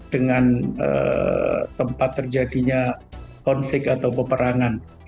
dengan tempat terjadinya konflik atau peperangan